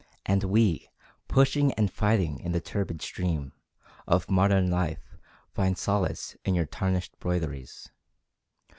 And we, pushing and fighting in the turbid stream Of modern life, find solace in your tarnished broideries.